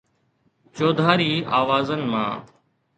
چوڌاري آوازن مان